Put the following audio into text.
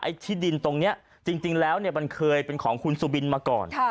ที่ดินตรงนี้จริงแล้วมันเคยเป็นของคุณสุบินมาก่อน